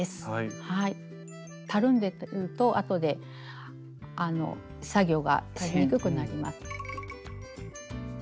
たるんでるとあとであの作業がしにくくなります。